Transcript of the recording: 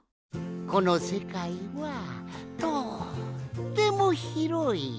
このせかいはとってもひろい。